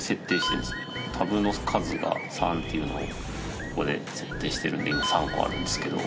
タブの数が３っていうのをここで設定しているので今３個あるんですけど。